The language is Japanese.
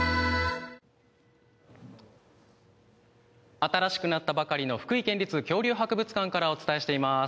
新しくなったばかりの福井県立恐竜博物館からお伝えしています。